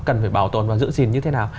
cần phải bảo tồn và giữ gìn như thế nào